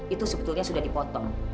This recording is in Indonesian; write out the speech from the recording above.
itu sebetulnya sudah dipotong